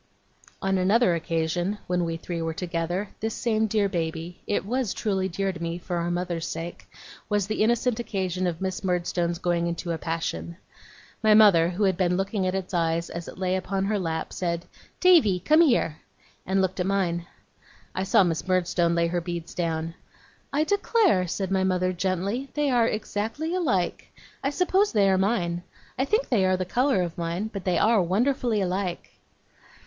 On another occasion, when we three were together, this same dear baby it was truly dear to me, for our mother's sake was the innocent occasion of Miss Murdstone's going into a passion. My mother, who had been looking at its eyes as it lay upon her lap, said: 'Davy! come here!' and looked at mine. I saw Miss Murdstone lay her beads down. 'I declare,' said my mother, gently, 'they are exactly alike. I suppose they are mine. I think they are the colour of mine. But they are wonderfully alike.